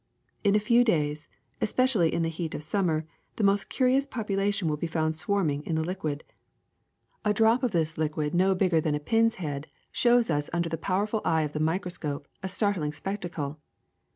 In a few days, especially in the heat of sum mer, the most curious population will be found swarming in the liquid. A drop of this water no GERMS 315 bigger than a pin's head shows us under the power ful eye of the microscope a startling spectacle.